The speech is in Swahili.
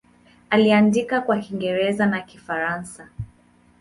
Aliandika kwa Kiingereza na Kifaransa.